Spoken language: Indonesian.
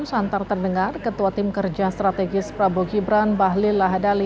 santar terdengar ketua tim kerja strategis prabowo gibran bahlil lahadali